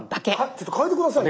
ちょっと変えて下さいよ。